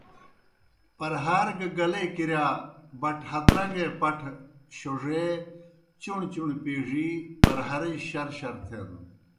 پرہار گہ گلے کِرِیا بَٹ ہَترن٘گے پٹھہ شوڙے، چُݨہ چُݨہ پیڙِی پرہارِجیْ شرشر تھینَن۔